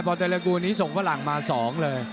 เตรกูลนี้ส่งฝรั่งมา๒เลย